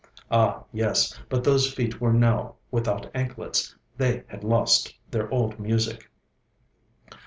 Ah, yes, but those feet were now without anklets, they had lost their old music.